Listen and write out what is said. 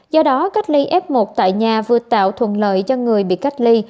do đó cách ly f một tại nhà vừa tạo thuận lợi cho người bị cách ly